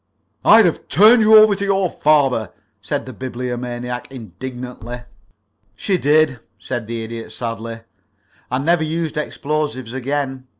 "I'd have turned you over to your father," said the Bibliomaniac, indignantly. "She did," said the Idiot, sadly. "I never used explosives again.